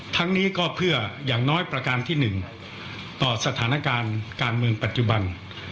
ทั้งนี้ก็เพื่ออย่างน้อยประการที่๑ต่อสถานการณ์การเมืองปัจจุบัน